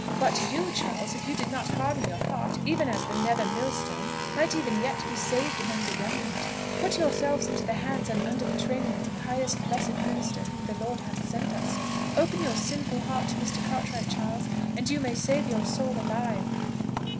But you, Charles, if you did not harden your heart, even as the nether millstone, might even yet be saved among the remnant. Put yourself into the hands and under the training of the pious, blessed minister whom the Lord hath sent us. Open your sinful heart to Mr. Cartwright, Charles, and you may save your soul alive!"